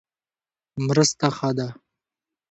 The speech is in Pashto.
مرسته ښه ده.